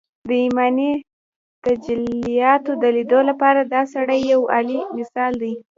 د ايماني تجلياتو د ليدو لپاره دا سړی يو اعلی مثال دی